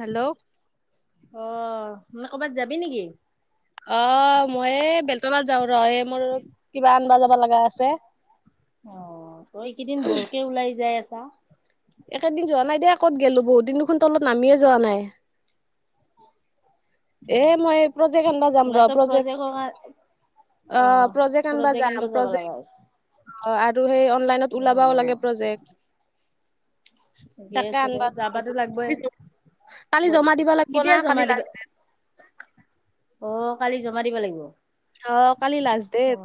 Hello আহ, মানে কবাত যাবি নেকি? অ' মই এই বেলতলাত যাও ৰ এই মোৰ কিবা আনিব যাব লগা আছে। অ' তই এইকেইদিন বৰকে ওলাই চা একেদিন যোৱা নাই দেই ক'ত গলো বহুত দিন দুখোন তলত নামিয়ে যোৱা নাই। এ মই প্ৰজেক্ট আনবা যাম নাই ৰ তো প্ৰজেক্ট। প্ৰজেক্টৰ কাৰ অ' প্ৰজেক্ট আনিব যাম যাব লগা হৈছে। প্ৰজেক্ট। অ' আৰু সেই অনলাইনত ওলাবও লাগে প্ৰজেক্ট। ঠিকেই তাকে আছে দে আনবা যাম। যাবাতো লাগবই। কালি জমা দিবা লাগব না কেতিয়া কালি জমা দিবা। লাষ্ট ডেট অ' কালি জমা দিব লাগিব? অ' কালি লাজ দেত।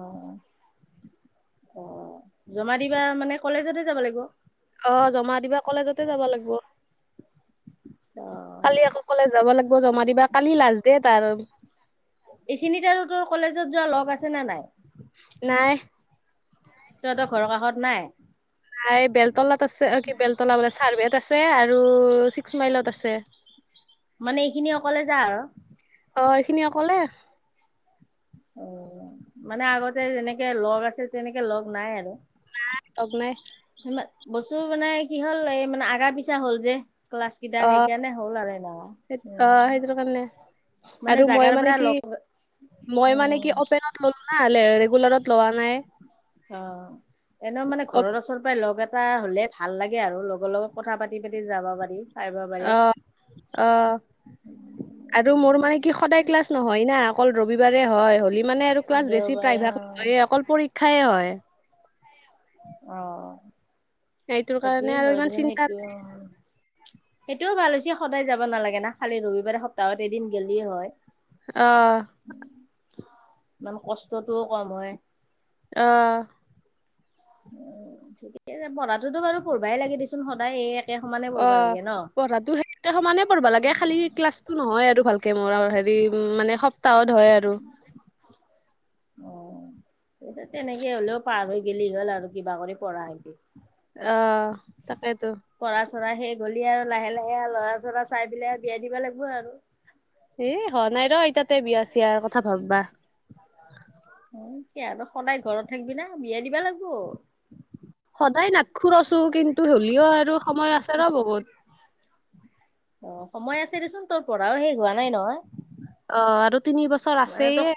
অ' জমা দিবা মানে কলেজতে যাব লাগিব? অ' জমা দিবা কলেজতে যাব লাগিব। কালি আকৌ কলেজ যাব লাগিব জমা দিবা কালি লাষ্ট দেট তাৰ। এইখিনিত আৰু তোৰ কলেজত যোৱা লগ আছে নে নাই? নাই। তহতৰ ঘৰৰ কাষত নাই। এই বেলতলাত আছে অ' কি বেলতলা বোলে চাৰবেত আছে আৰু ছিক্স মাইলত আছে। মানে [unintelligible] অ' এইখিনি অকলে। অ' মানে আগতে যেনেকে লগ আছিল তেনেকে লগ নাই আৰু। নাই চক নাই। তোৰ মানে কি হ'ল এই মানে আগা পিছা হ'ল যে? ক্লাছ কেইটা অ সেইকাৰ নে হ'ল আৰু না সেই অ উম। সেইটো কাৰণে মানে আৰু মই জাগাৰ মানে পৰা কি লগ মই মানে উম, কি অপেনত ল'লো না ৰেগুলাৰত ল'ৱা নাই। অ', এনে মানে অ ঘৰৰ ওচৰ পৰাই লগ এটা হ'লে ভাল লাগে আৰু, লগৰ লগত কথা পাতি পাতি যাব পাৰি। পাৰিব পাৰি অ', অ', আৰু মোৰ মানে কি সদায় ক্লাছ নহয় না অকল ৰবিবাৰে হয়, হ'লি মানে আৰু ক্লাছ বেছি দেওবাৰে অ প্ৰায়ভাগ হয়ে অকল পৰীক্ষাই হয়। অ', সেইটোৰ কাৰণে সেইটোৱে আৰু হয় ইমান চিন্তা সেইটো অ' সেইটোও ভাল হৈছে সদায় যাব নালাগে না, খালি ৰবিবাৰে সপ্তাহত এদিন গলেয়ে হয়। আহ। ইমান কষ্টটোও কম হয় আহ। উ ঠিকেই পঢ়াটোতো বাৰু পঢ়বাই লাগে দিচোন সদায় এই একে সমানে পঢ়বা অ' লাগে ন পঢ়াটো সেই সমানে পঢ়বা লাগে খালি ক্লাছটো নহয় আৰু। তে মোৰ হেৰি মানে সপ্তাহত হয় আৰু। অ' তেনেকে হ'লেও পাৰ হৈ গেলি হ'ল আৰু কিবা কৰি পঢ়া খিনি। অ'। তাকেইতো পঢ়া চঢ়া শেষ হলি আৰু লাহে লাহে আৰু লৰা চৰা চাই পেলাই আৰু বিয়াই দিব লাগিব আৰু। এ হোৱা নাই ৰ ইতাতে বিয়া চিয়াৰ আৰু কথা ভাববা। কি আৰু সদায় ঘৰত থাকিবি না বিয়া দিবা লাগিব। সদায় নাতখুৰছোন কিন্তু হলেও আৰু সময় আছে ৰ বহুত। অ' সময় আছে দেচোন তোৰ পঢ়াও শেষ হোৱা নাই নহয়। অ আৰু তিনি বছৰ মানে ত, আছেয়ে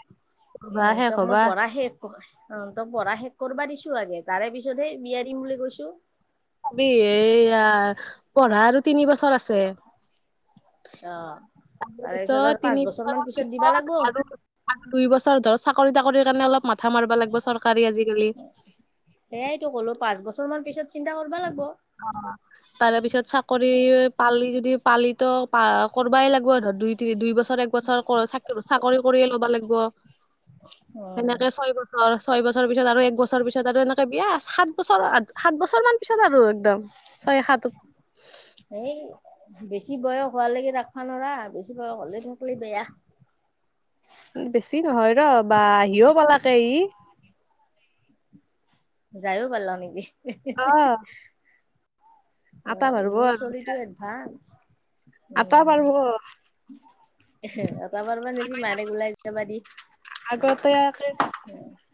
হবা উম, শেষ তাক মই হবা পঢ়াহে একো অ', তই পঢ়া শেষ কৰিবা দিছো আগে, তাৰে পিছত হেই বিয়া দিম বুলি কৈছো। ভাবি এইয়া পঢ়া আৰু তিনি বছৰ আছে। অ'। তাৰ তাৰে পিছত আৰু পাঁচ তিনি বছৰ মান বছৰৰ দিবা পিছত লাগব। আৰু দুই বছৰ ধৰ চাকৰি তাকৰিৰ কাৰণে অলপ মান মাথা মাৰিব লাগিব, চৰকাৰী আজিকালি সেয়াইটো ক'লো পাঁচ বছৰ মান পিছত চিন্তা কৰিবা লাগি অ', তাৰে পিছত চাকৰি পালি যদি পালিতো প কৰিবাই লাগিব ধৰ দুই তিনি দুই বছৰ এক বছৰ চ চাকৰি কৰিয়ে ল'ব লাগিব অ' সেনেকে ছয় বছৰ ছয় বছৰ পিছত আৰু এক বছৰ পিছত আৰু এনেকৈ বিয়া, সাত বছৰ সাত বছৰমান পিছত আৰু একদম ছয় সাঁত এই বেছি বয়স হোৱালৈকে ৰাখিবা নৰা, বেছি বয়স হলে থাকিলে বেয়া। বেছি নহয় ৰ', বা আহিও পলাকে ই যায়ও পাৰল [unintelligible] নেকি অ'। আটা আহ মোৰ চলিতো এডভান্স। আপা পাৰব তমাৰ মান যিবি মানে ওলাই যাব দি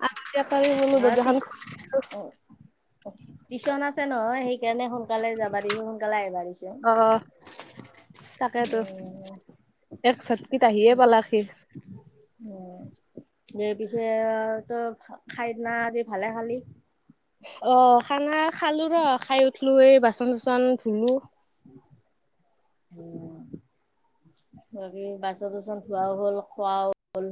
আৰু বপাৰ [unintelligible] মনো ব জান খছো টিশন আছে নহয় সেই সোনকালে যাবাদি সোনকালে আহিবা দিছে। অ তাকেতো, এক চটকিত আহিয়ে পালাক সি। স পিছে তো খাইদি না আজি ভালে খালি। অ', খানা খালো ৰ', খাই উঠলো এই বাচন চাচন ধুলো। উম। বাকী বাছন চাচন ধোৱা হ'ল, খোৱা হ'ল?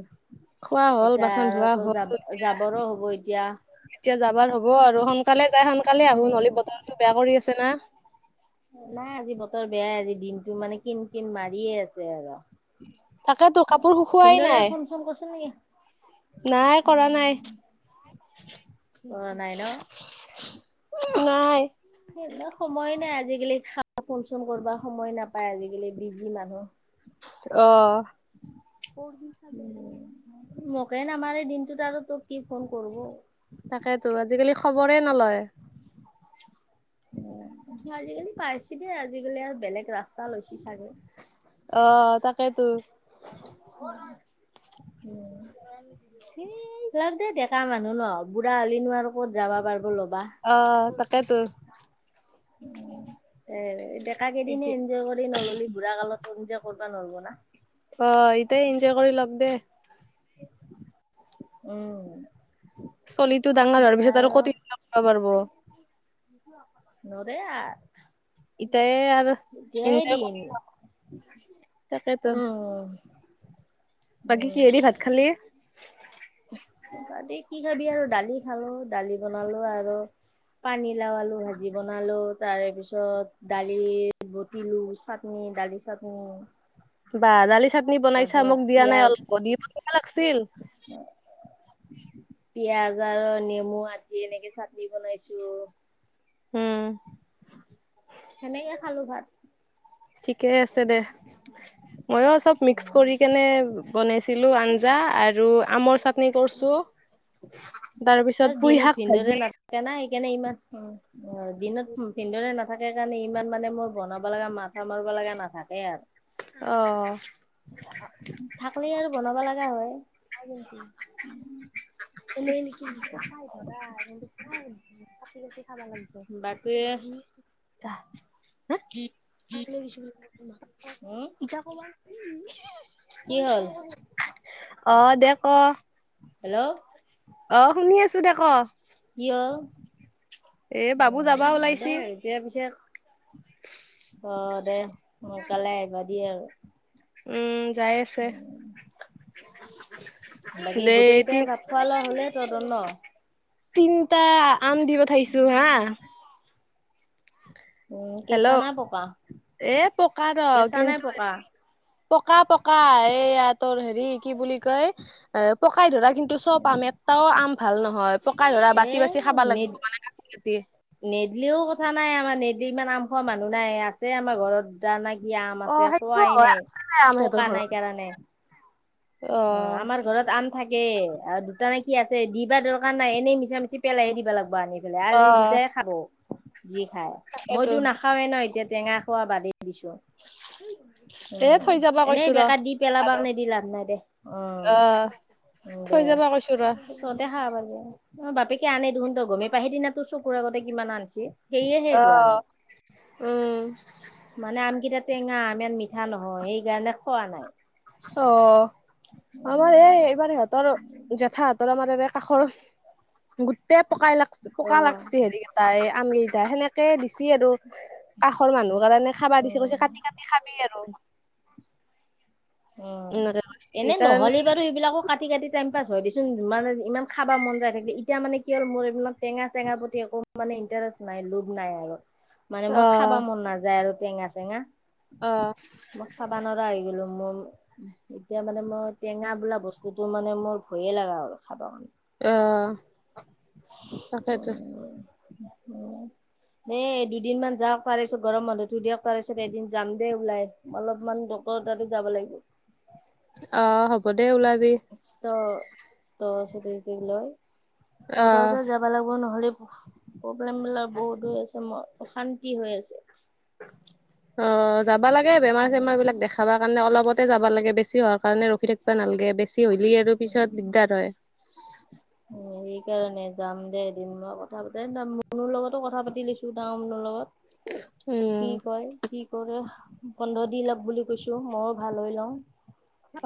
খোৱা হ'ল বাচন ধোৱা হ'ল এতিয়া যাবৰো হ'ব এতিয়া এতিয়া যাবাৰ হ'ব আৰু স সোনকালে যাই সোনকালে আহো, নহ'লে বতৰটো বেয়া কৰি আছে না। নাই আজি বতৰ বেয়াই আজি দিনতটো মানে কিন কিন মাৰিয়ে আছে আৰু। তাকেতো কাপোৰ শুকোৱাই ভিনদেউৱে নাই। ফোন চোন কৰিছিল নেকি? নাই কৰা নাই। কৰা নাই ন', নাই। সেই সময় নাই আজি আজিকালি খাব ফোন চন কৰিব সময় নাপায়, আজিকালি বিজি মানুহ আহ। মোকে নামাৰ এই দিনটোত আৰু তোক কি ফোন ক'ৰব তাকেতো আজিকালি খবৰে নলয়। আজিকালি পাইছিল দেই আজিকালি আৰু বেলেগ ৰাস্তা লৈছে চাগে। অ' তাকেই তো। উ, উম। হেই ক মানুহ ন', বুঢ়া হ'লে নো আৰু ক'ত যাব পাৰিব লগ অ', তাকেতো। ডেকা কেইদিনে এতিয়া এনজয় কৰি নললি বুঢ়া কালত কৰিজা কৰিবা নোৱৰব না অ ইতায়ে এনজয় কৰি লক দে। উম। চলিটো ডাঙৰ হোৱাৰ পিছত আৰু কটিত কৰিব পাৰিব। নৰে আৰ। ইটায়ে আৰু এনজয় [unintelligible] তাকেতো। উম বাকি উম কিহেদি ভাত খালি? ছাবি আৰু দালি খালো দালি বনালো আৰু পানী লাও আলু ভাজি বনালো তাৰে পিছত তাৰপিছত দালি বতিলো চাটনি দালি চাটনি। বাহ দালি চাটনি বনাইছা তাৰপিছত মোক দিয়া নাই পিয়াজ অলপ দি বনিবা লাগিছিল। পিয়াজ আৰু নেমু আদি এনেকে চাটনি বনাইছোঁ। উম, সেনেকে খালোঁ ভাত। ঠিকে আছে দে। ময়ো চব মিক্স কৰি কেনে বনাইছিলোঁ আঞ্জা আৰু আমৰ চাটনি কৰছো তাৰপিছত পুই শাক ভাজি। কেনে ইমান দিনত ভিন্দো নাথাকে কাৰণে ইমান মানে মোৰ বনাব লগা মাথা মাৰিব লগা নাথাকে আৰ। আহ। থাকলে আৰু [unintelligible] এনেই নেকি [unintelligible] কাছি কাছি খাবা বাকী লাগিব। উম [unintelligible] [unintelligible] কি হ'ল অ' দেহ ক হেল্ল'। অ' শুনি আছো দে ক [unintelligible] এ বাবু যাবা উম ওলাইছি দে এতিয়া পিছে অ'। দে সোনকালে আহিব দি আৰু। উম যাই আছে। উম বাকী দে গোটেই তি কেইটাই ভাত খোৱা লোৱা হ'লে তহঁতৰ ন? তিনিটা আম দি পঠাইছো হা। উম, কেঁচা হেল্ল' না পকা? এ পকা ৰ কেঁচা নে কিন্তু হ পকা পকা পকা এইয়া তোৰ হেৰি হেৰি কি বুলি কয় এ পকাই ধৰা কিন্তু চব আম এটাও আম ভাল নহয় পকা ধৰা এ বাচি বাচি খাব নে লাগিব মানে কাটি কাটি। নেদলিও কথা নাই আমাৰ নেদলি ইমান আম খোৱা মানুহ নাই আছে আমাৰ ঘৰত দুটা ন আম অ আছে সেইটো কোৱাই হয় নাই আছে আম সিহঁতৰ পকা ঘৰত নাই কাৰণে। অ' আমাৰ ঘৰত আম থাকে। আৰু দুটা নেকি কি আছে দিবা দৰকাৰ নাই এনেই মিছা মিছি পেলাইহে দিব লাগিব আনি। বোলে অ আৰু এই দুটাই খাব। যি খাই তাকেতো মইতো নাখাওৱে ন এতিয়া টেঙা খোৱা বাদে দিছো অ এ থৈ যাবা এনেই কৈছো ৰ বেকাৰ দি পেলাবা আৰু কাৰণে দি লাভ নাই দে। অহ, অ থৈ দে যাবা কৈছো ৰ তহতে খাব পাৰিবি। অ', বাপেকে আনে দেখোন তই গমেই পাই। সেইদিনা তোৰ চকুৰ আগতে কিমান আনছি। সেয়েহে অ হোৱা নাই। উম মানে আমকেইটাত টেঙা ইমান মিঠা নহয় সেইকাৰণে খোৱা নাই। অ' আমাৰ উম, এই এইবাৰ সিহঁতৰ জেঠাহতৰ আমাৰ এনে কাষৰ, গোটেই পুকাই অ লাগছ-পুকা লাগছি হেৰি তাই [unintelligible] টা সেনেকে দিছি আৰু কাষৰ মানুহৰ কাৰণে খাবা দিছি। কৈছে উম কাটি-কাটি খাবি আৰু। অ', এনেকে কৈছে এনে সেইকাৰণে নহ'লি বাৰু সেইবিলাকো কাটি-কাটি টাইম পাছ থৈ দিচোন, মানে ইমান খাবা মন যায় থাকিলে এতিয়া মানে কি হ'ল মোৰ এই টেঙা-চেঙা প্ৰতি একো মানে ইন্টাৰেষ্ট ৰেষ্ট নাই। লোভ নাই আৰু মানে অ মই খাবা মন নাযায় আৰু টেঙা-চেঙা। অ মই খাবা ন'ৰা হৈ হৈ গেলো মন এতিয়া মানে মই টেঙা বোলা বস্তুতটো মানে মোৰ ভয়ে লগা হ'ল খাব কাৰণে। অ', তাকেতো। [unintelligible] এ দুদিনমান যাওক তাৰেপিছত গৰম বন্ধটো দিয়ক, তাৰপিছত এদিন যাম দেই ওলাই। অলপমান কৰ তাতো যাব লাগিব। অ', হ'ব দে ওলাবি। অ', ছুটি-টুটি লৈ। তহঁতৰ অ তাত যাবা লাগিব নহ'লি। প্ৰব্লেম বিলাক বহুত হৈ আছে, মন অশান্তি হৈ আছে। অ', যাবা লাগে বেমাৰ-চেমাৰ বিলাক দেখাবা কাৰণে। অলপতে যাব লাগে বেছি বেছি হোৱাৰ কাৰণে ৰখি থাকিবা নালাগে। বেছি হ'লি আৰু পিছত দিগদাৰ হয়। অ', সেইকাৰণে যাম দে এদিন মই কথা পাতি [unintelligible] মনৰ লগতো কথা পাতি লৈছো তা লগত। উম কি কয়, কি কৰে! বন্ধ দি লক বুলি কৈছো, ময়ো ভাল হৈ লওঁ।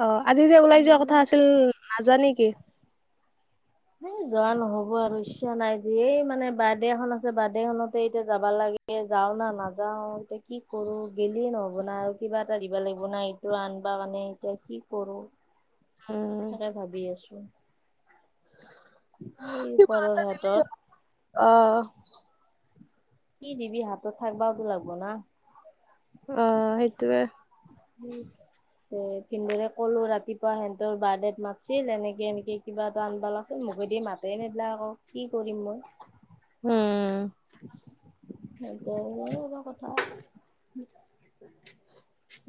অ', আজি যে ওলাই যোৱা কথা আছিল, নাযা নেকি? এ যোৱা নহ'ব আৰু ইচ্ছা নাই। ধে মানে বাৰ্থডে এখন আছে বাৰ্থডে খনতে এতিয়া যাবা লাগ এ যাও না নাযাও। এতিয়া কি কৰো, গেলিয়ে নহ'ব না আৰু কিবা এটা দিবা লাগিব না এইটো আন দিবা মানে এতিয়া কি কৰো? উম, তাকে ভাবি আছো। এই কিবা ওপৰৰ এটা দিলি হাতত হ'ল অ কি দিবি হাতত থাকিবাওতো লাগিব না। অ', হেইটোৱে। উম। এ ভিনদেউৰেক ক'লো ৰাতিপুৱা সিহঁতৰ বাৰ্থডেত মাতছিল, এনেকে-এনেকে কিবা এটা আনবা লাগছিল। মুখ মুখেদি মাতে নিদলাক আকৌ, কি কৰিম মই? হম। হ'ব।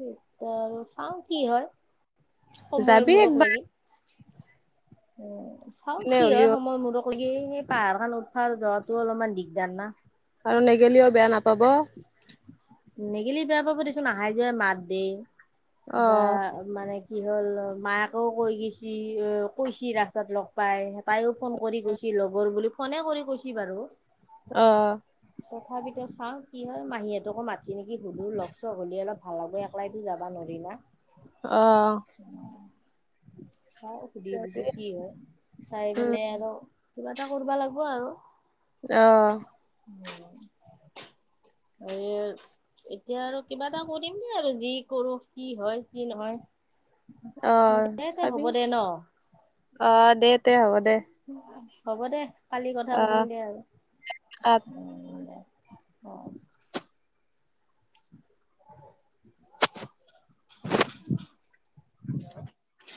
এতিয়া আৰু চাও কি হয়, সময় যাবি মূৰক একবাৰ লাগি। উম, চাও এনে কি হয় হ'লেও সময় মূৰক লাগি। সেই পাহাৰ খান উঠাৰ য'ত টো অলপমান দিগদাৰ না। নেগেলিও বেয়া নাপাব? নেগিলি বেয়া পাব দেচোন, আহাই-যোৱাই মাত দে। অ বা মানে কি হ'ল মায়েকেও কৈ গৈছেি। কৈছি ৰাস্তাত লগ পাই, তাইও ফোন কৰি কৈছি লগৰ বুলি। ফোনে কৰি কৈছে বাৰু। অ'। তথাপিতো চাওঁ। কি হয় মাহীহতকো মাতি নেকি সুধু লগ চগ হলে অলপ ভাল হব একলাইতো যাবা নোৰি না। অহ। চাও সুধি বুজি কি হয় চাই উম পেলাই আৰু কিবা এটা কৰবা লাগিব আৰু। আহ। এই এতিয়া আৰু কিবা এটা কৰিমদে আৰু যি কৰো কি হয় কি নহয়। অ দে, দে চাবি হ'ব দে ন? অ দে তে হ'ব দে হ'ব দে। কালি কথা পাতিম দে আৰু। অ উম, দে। অ [inaudible] [unintelligible]